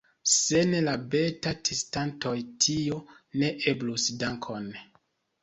Sen la beta-testantoj tio ne eblus dankon!